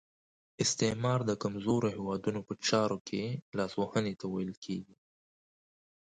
استعمار د کمزورو هیوادونو په چارو کې لاس وهنې ته ویل کیږي.